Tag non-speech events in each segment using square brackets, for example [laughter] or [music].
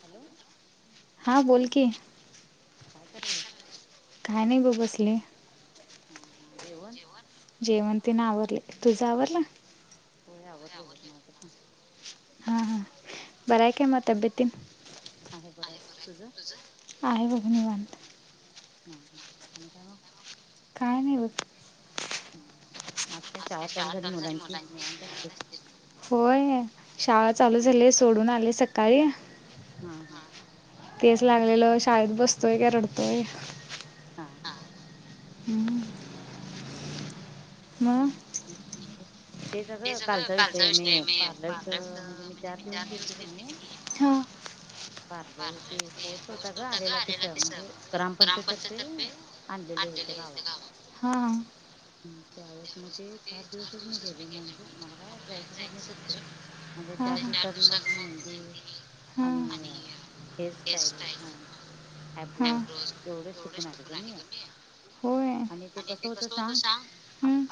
Hello? हां बोल की. काय करायल्यास? काही नाही ब बसले. हां हां जेवण? जेवण तेन आवरलंय तुझं आवरलं? होय आवरलंय बघ माझं पण. बरंय का म तब्येत तेन? हाय बरं आहे तुझं? आहे बघ निवांत. हां हां आणि काय मग? काय नाही बघ. हां हां आज काय शाळा चालू झाली मुलांची निवांत असशील? होय शाळा चालू झाली सोडून आली सकाळी. हा तेच लागलेलं शाळेत बसतोय काय रडतोय? हां हां. हम्म. मग [unintelligible] तेच अगं. कालचा विषय मी पार्लरचं म्हणजे मी चार दिवस गेलते क नाही, हां पार्लर ते कोर्स होता गं आलेला तसं म्हणजे ग्रामपंचायत तर्फे आणलेले इथं गावात हां हां हम्म त्यावेळेस म ते चार दिवसच मी गेले म्हण मला काय जाय झालं नाही सोड पुढं म्हणजे हां चार हां दिवसात मग मेहंदी हां आणि हेअरस्टाईल म्हण हां आयब्रोज एवढं चुकून आले ग मी होय आणि ते कसं होत सांग?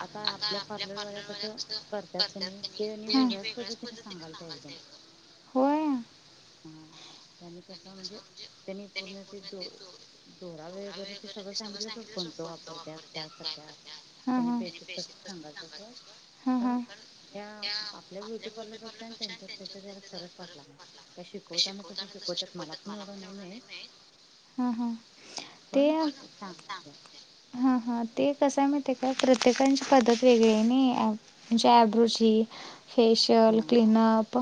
आता आपल्या पार्लरवाल्या कसं करत्यात कणी, तेनी हां वेगळ्याच पद्धतीने सांगालत्या एकदम. होय हा त्यांनी कसं म्हणजे? त्यांनी पूर्ण ते दो -दोरा वगैरे ते सगळं सांगितलं सोड कोणतं वापरत्यात काय करत्यात? हा त्यानी हा बेसिक कसं सांगालतीत बघ, हा पण हा त्या आपल्या ब्युटी पार्लरपेक्षा आणि त्यांच्यात त्याचा जरा फरक वाटला मला, का शिकवताना तसं शिकवतात, मला पण एवढं नाही माहित. [unintelligible] हा हा ते पण सांगाल त्या सांगते हा हा. ते कसं माहित आहे काय प्रत्येकाची पद्धत वेगळी हाय नी म्हणजे आयब्रोची. फेशयल हा क्लीन अप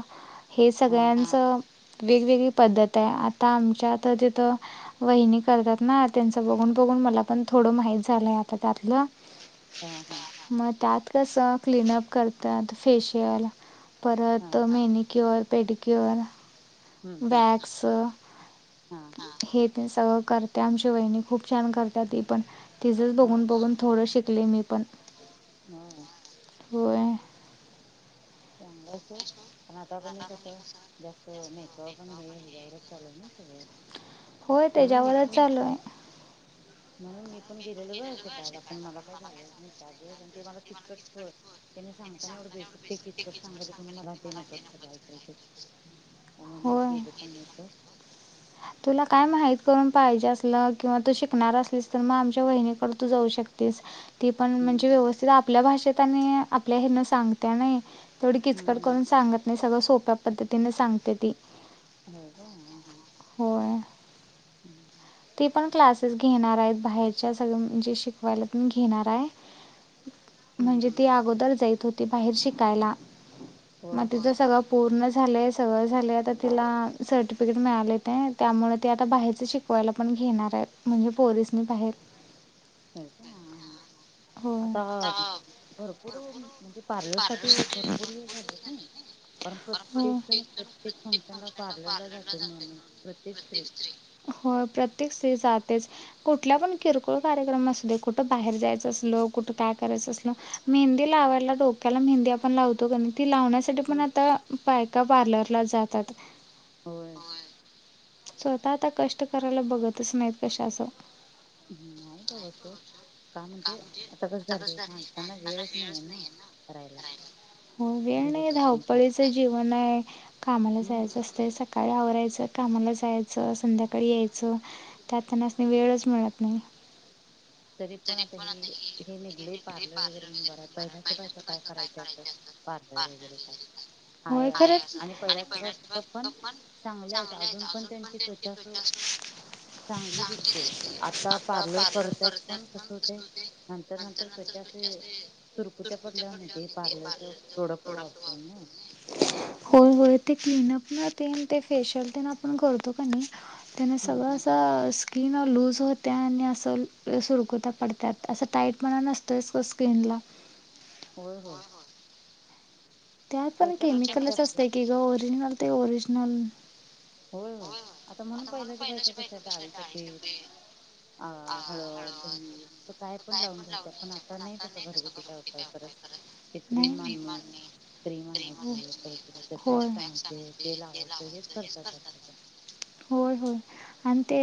हे हा हा सगळ्यांचं वेगवेगळी पद्धत आहे आता आमच्यात. तर तिथं वहिनी करत्यात ना त्यांचं बघून बघून मला पण थोडं माहीत झालं आहे आता त्यातलं. हा हा तसं क्लीनअप करत्यात फेशियल हा परत मॅनिक्युअर. पेडिक्युअर. हम्म हम्म बॅगस हा हा हे ते सगळं करत्या आमच्या वहिणी खूप छान करत्या ती पण. तिजच हो बघून बघून थोडं शिक शिकले मी पण. हा. होय. चांगला आहे तो पण आता पण कसं जास्त मेकअप पण हे हवरच चालूय ना सगळं होय म्हणून मी त्याच्यावरच पण चालूय म्हणून मी पण गेलेल ग शिकायला पण मला काही झालंच नाही चार दिवस आणि ते मला किचकट कर त्यांनी सांगताना एवढं बेसिक तेठी सांग क मला ते नकत झालं ऐकल त्यामुळे मी होय गेले पण्नासो तुला काय माहित करून पाहिजे असल किंवा तू शिकणार असलीस तर मग आमच्या वहिणीकडे तू जाऊ शकतेस ती पण हम्म म्हणजे हम्म व्यवस्थित आपल्या भाषेत आणि आपल्या हे ना सांगत नाही तेवढी किचकट हम्म हम्म करून सांगत नाही सगं सोप्या पधतीने सांगते ती हो का ह हा हम्म हम्म ते पण क्लासेस घेणार आहेत बाहेरच्या सगळ म्हणजे शिकवायला पण घेणार आहे हम्म म्हणजे हम्म ते अगोदर जायत होते ते बाहेर शिकायला होय मग होय तिचं सगळं पूर्णच सगळ झाले तिला सर्टिफिकेट मिळाले ते त्यामुळे ते आता बाहेरच शिक पवायला पण घेणार आहे म्हणजे पोरीसनी पाहेल अ का आ आता भरपूर, म्हणजे पार्लर साठी भरपूर हे झाले ना. कारण हो. प्रत्येक जण प्रत्येक फंक्शन ला पार्लरला जाते माणूस. प्रत्येक स्त्री. तेच. कुठल्या पण किरकोळ कार्यक्रम असू दे, कुठ बाहेर जायचं असल, कुठ काय करायचं असल. मेहंदी लावायला, डोक्याला मेहंदी आपण लावतो का नही ती लावण्या साठी पण हो आता पायका पार्लरला जातात. होय स्वतः आता कष्ट करायला बघतच नाहीत कश अस. [unintelligible] का म्हणजे आता कसे झाले, बायकांना वेळच नाहीे ना करायला. हो वेळ घरी नाही बसून काय धावपळीचं जीवन आहे. कामाला हम्म जायचं असतंय. सकाळी आवरायचं कामाला जायचं संध्याकाळी यायचं त्यात त्यांना अस वेळच मिळत नाही. तरी पण आता हे, हे निघले पार्लर वगैरे म बरं. पाहिला पा त्या बायका काय करायच तर पार्लर वगैरे काय होय असं, खरंच. आणि पहिल्या अस पण चांगले आहेत. अजून पण त्यांची त्वचा चांगली दिसते. आता पार्लर करत पण कस होते, नंतर नंतर अस सुरकुत्या पडल्यावानी होते. प्रोडक्ट वापरू नये. होय होय ते क्लीनअप न तेण ते फेशिल दे ना आपण करतो की नही, त्याना हम्म सगळा हम्म असा स्किन लूज होत्या आणि असं सुरकुत्या पडत्या असं टाईट पणा नसतच स्किनला. होय होय. त्यात पण त्वचा कशी असते केमिकलच आपली असतंय की ग ओरिजिनल ते ओरिजनल. [unintelligible] होय होय. आता म्हणून पहिल्याच्या बायका कशा डाळीच्या पीठ अ हळद दही तर असं काय पण लावून घ्यायचे. पण आता नाही तस घरगुती काय उपाय करत. ते क्रीम नाही आणणे क्रीम आणायचे परत होय वॅक्स आणायचं ते लावायचं हेच करतात. आता होय होय. आणि ते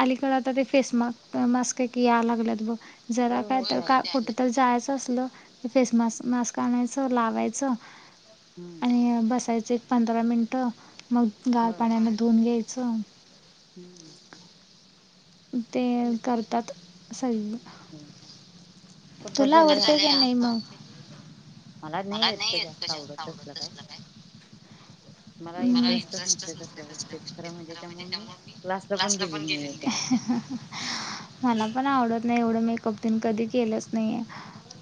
अलीकडे आता ते फेस माक मास्क की या लागलेत बघ. जरा होय काय होय ते त का आल्यात कुठ की तर जायचं असलं फेस मास्क मास्क आणायचं लावायचं हम्म आणि बसायच पंधरा मिनटं. मग गार होय पाण्यान धऊून घ्यायच [unintelligible] [inaudible] ते तेच की. करतात. [unintelligible] [inaudible] तुला झालंय आवडते का आता नाइ मग मला नाही येत त जास्त आवडत असलं काय? मला इंटरेस्टच नसते तसल्या गोष्टीत खरं म्हणजे त्यामुळे मी क्लासला पण गेलेली नाहीये त्या [unintelligible] एवढं मेकअप ते कधी केलंच नाहीये.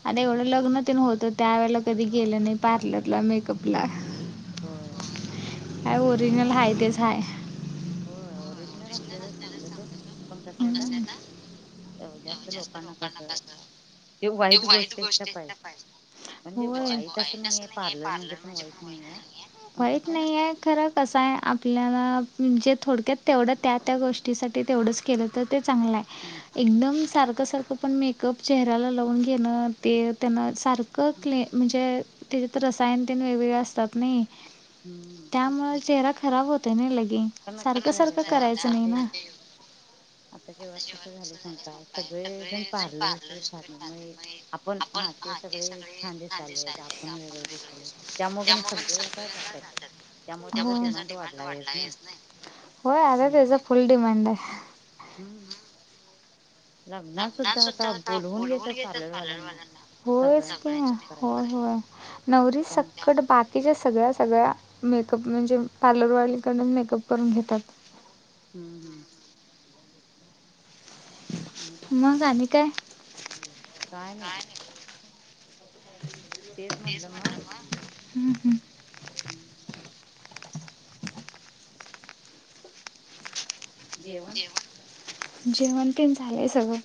आता एवढं लग्न तिन होतं त्यावेेला कधी गेलं नाही पार्लरला मेकअपला. [inaudible] काय ओरिजनल हाय तेच हाय. ओरिजनल असलेलं चांगलं तर हम्म. [unintelligible] वाईट गोष्ट म्हणजे होय वाईट असं नाहीये नाही पार्लर प्लर म्हणजे पण वाईट म्हणजेण नाहीये पण वाईट कसं नाही आहे खरं कसं आहे आपल्याला म्हणजे थोडक्यात तेवढं त्या गोष्टीसाठी तेवढंच केलं तर ते चांगला हा आहे एकदम सारखं पण मेकअप चेहराला. लावून घेणार त्यांना सारखं. ककली म्हणजे त्याच्या तर रसायनतेन वेगवेगळे असतात नाही. हम्म तेच त्यामुळे की चेहरा खराब होता. त्याग पण कस झालं आता आत्ताच्या युगात हो आताच्या युगात कस झाले संकाय. सगळे जण पार्लर आपण हा ते सगळे खदीेण वेगळ दिसत त्यामुळे पण सगळे जातात त्यामुळे त्याचा डिमांड वाढला हेच नाही. हो आता त्याचा फुल डिमांड आहे. हम्म लग्ना सुद्धा आता बोलून घेतात पार्लर वाल्यांनाहोयच सगळ्यांचे प मेकअप करायला होय होय नवरी त्यामुळे सकट बाकीच्या सगळ्या सगळ्या मेकअप म्हणजे पार्लरवालीकडच मेकअप करून घेतात. हम्म हम्म. आणि का मग काण काय? काय नाही ग. तेच म्हणलं मग हम् हम्. हम्म. जेव जेवण जेव जेवण पण झालंय सगळं..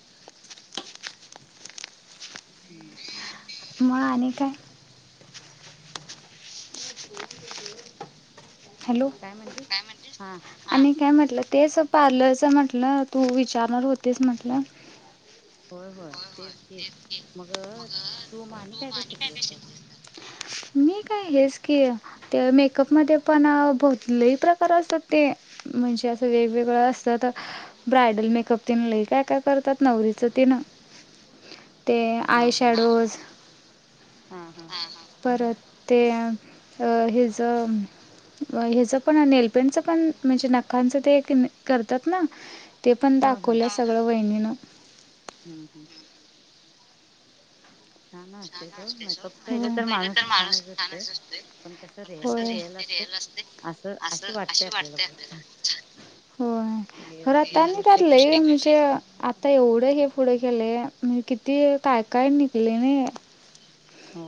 हम्म म आणि काय.. हॅलो. काय म्हणलीस हा.. आणि काय म्हटलं तेच पार्लरच म्हटलं तू विचारणार होतेस म्हंटलं. होय होय तेच ते मग तू मा आणि काय काय शिकले असतात. मी काय हेच की ते मेकअप मध्ये पण भोतलेही प्रकार असतात ते म्हणजे असं वेगवेगळं असतात ब्रायडल मेकअप तेन लय काय काय करतात नवरीच तिन. ते हा आय हा शॅडोज हा हा परत ते अ हच हच पण नेलपेंटच पण म्हणजे नखांच ते करतात ना.. ते पण होय होय दाखवले सगळं वहिणीनं.. [unintelligible] हम्म हम्म छान दिसतोय. सोड मेकअप केलं तर माणूस छानच दिसतो. होय पण कस रिअल ते रिअल असते असं अशी वाटतेय आपल्याला होय ब असलेली रिअल गोष्ट एक असलेली वेगळीच गोष्ट एक वेगळीच केले म्हणजे किती काय काय निघले ना. हो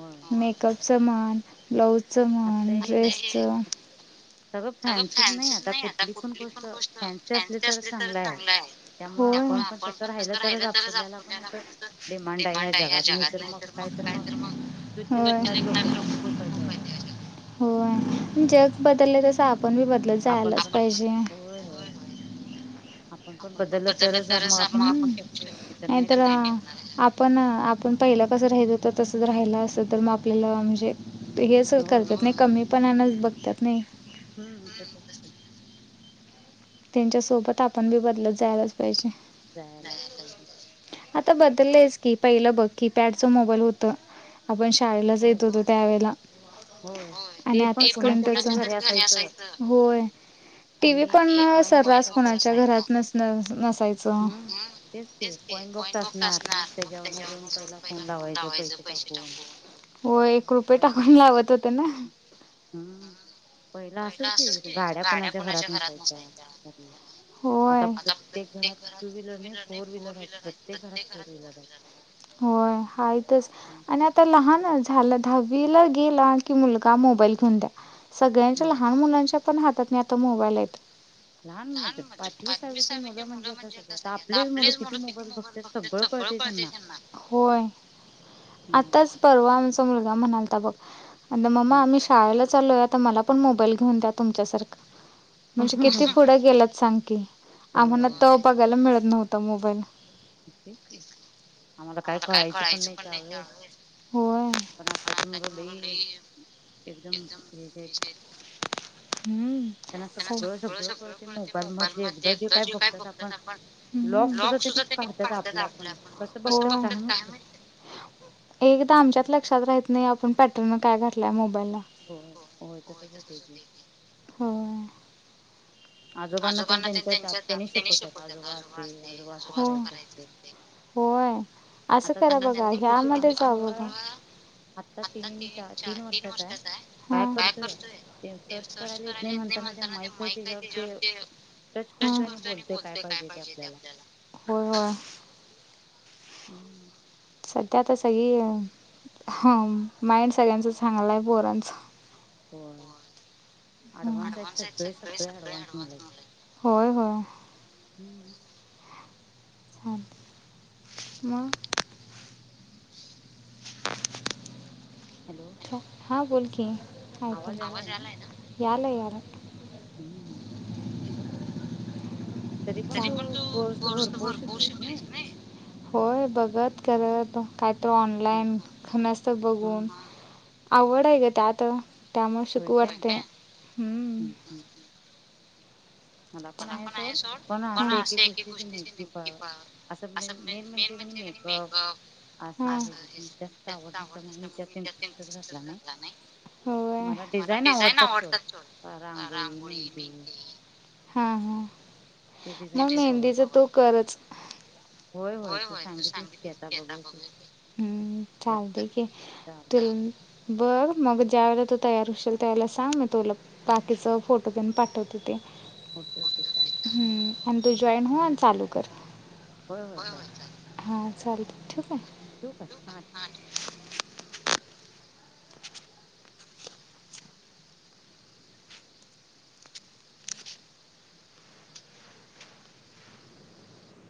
समान ब्लाऊज आता हे ड्रेसच सगळं फॅन्सीच नाही आता कुठली पण गोष्ट फॅन्सी असली तर चांगलं आहे. त्यामुळ होय. आपण पण तसं राहिलं तरच आपुल्याला पण असं डिमांड आहे ह्या जगात नाही तर मग काय तर मग तुच्छ लेखणारे लोक पण खूप आहेत ह्या जगात हो जग हम्म. बदललंय आपण बी बदलत आपण जायलाच पण पाहिजे. होय होय आपण पण बदललं तरच आप- मग आपण टिकू शकतो नाही तर नाही नाहीतर टिकणार ह्या आपण आपण पहिलं कसं राहित होत तस. राहिला असेल तर मग आपल्याला म्हणजे हे स होय करतात नाही कमीपणान. बघतात नाही. हम्म तसच. त्यांच्या सोबत आपण बी बदलत जायलाच पाहिजे. राहालाच पाहिजे. आता बदललयच की पहिलं बघ कीपॅडच मोबाईल होत. आपण शाळेला होय जात होतो त्या वेळेला होय ते आणि पण आताच कुणाच्या तरी त्या घरी असायचं होय टीव्ही आणि पण कॉइन बॉक्स सर्रास असायचा कोणाच्या घरात नसायचं. हम्म तेच ते कॉइन होय बॉक्स असणार मग त्याच्यावरन जाऊन पहिला फोन लावायच पैसे टाकून होत पहिला होतं ना. हम्म पहिला असंच की गाड्या कोणाच्या घरात नसायच्या घरी आता प्रत्येक घरात टू व्हीलर नाही फोर व्हीलर आहेत प्रत्येक घरात फोर व्हीलर आहेत होय हायतच हम्म, आणि आत्ता लहान झालं. दहावी गेला की मुलगा मोबाईल घेऊन द्या सगळ. होय लहान मुलांच्या आनी आता मोबाईल आहेत. लहान म्हणजे पाचवी सहावीची सहावी ची मुलं आता म्हणजे सगळे आता आत्ता आपलेच आपलीच मुलं किती मोबाईल बघतात बघत्यात सगळं सगळ कळते कळतय त्यांना होय. मग आताच परवा आमचा मुलगा म्हणाल. त बघ म मम्मा मी शाळेला चालो आत्ता मला प पण मोबाईल घेऊन द्या तुमच्यासारखं. म्हणजे किती पुढं गेल्यात सांग. ओके. आम्हाना होय तव बघायला मिळत. नवता मोबाईल. आम्हाला काय कळायचं पण नाही त्यावेळेस होय पण आताची मुल लय एकदम हेजी हायत हम् सगळ सगळ कळतय मोबाईल मध्ये जे काय बघतात आपण लॉक सुद्धानी तेनि काढतात आपल आपण हो कस काढत्यात काय माहिती ए आमच्याच लक्षात राहत नाही आपण पॅटर्न काय घातलंय मोबाईल ला हो होय तसच होतय की होय आजोबांना त्यांच्या त्या त्यांनी शिकवतात आजोबा असते आजोबा असत करायच असते होय. असं आता करा त्यांनी बघा बघ कितीू ह्यामध्ये आमचा जा बघा मुलगा आत्ता तीन चार तीन वर्षाचा आहे काय हां हां. करतोय ते सर्च करायला येत नाही म्हणताना ते माईक आहे त्याच्यावर टच करतोय आणि बोलतोय काय पाहिजे ते आपल्याला होय हम्म तरीओ हम माइंड सगळ्यांचं चांगलं आहे पोरांचं होय ऍडव्हान्स आहेत सगळे सगळे ऍडव्हान्स मुलं आहेत. होय होय हम्म. हा मग हॅलो हा बोल ओके आवाज यालाय ना? यालाय याल हम्म तेच म्हणलं तरी पण तू कोर्स भरपूर शिकलियेस नाय होय बघत करत काय तो हो. ऑनलाईन खमस्त हा बघून आवड आहे ग त्यात त्यामुळे होय शिकव काय वाटतंय हम्म हम्म मला पण आहे सोड पण असं एक एक गोष्टीची नेमकी प असं मेन मेन म्हणजे कणी मेकअप असं ह्याची पण हम्म जास्त आवड नसल्यामुळे मी त्यात इंटरेस्टच घातला नाही. मला डिझाईन आवडतात सोड रांगोळी, मेहंदी होय. हा हा. ते डिझाईन मग खूप आवडतात. मेहंदीचा तो करच होय होय तू सांगितलंस की आता बघूया की चालतंय की चाल मग ज्या वेळेला तो तयार होशेल त्यावेळेला सांग मी तुला बाकीचं फोटो पण पाठवते ते ओके ओके चालेल हम्म आणि तू जॉईन हो चालू कर होय होय हा चालते हा, ठीक आहे. ठेवू काय हा